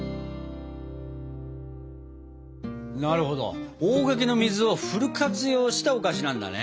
なるほど大垣の水をフル活用したお菓子なんだね。